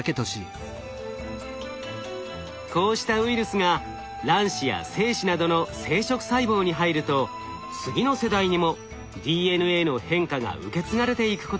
こうしたウイルスが卵子や精子などの生殖細胞に入ると次の世代にもＤＮＡの変化が受け継がれていくことがあるといいます。